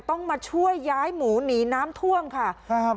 ต้องมาช่วยย้ายหมูหนีน้ำท่วมค่ะครับ